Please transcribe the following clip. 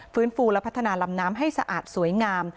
ฟูและพัฒนาลำน้ำให้สะอาดสวยงาม